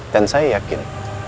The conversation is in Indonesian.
dan saya yakin